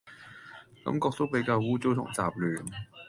感覺都比較污糟同雜亂